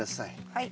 はい。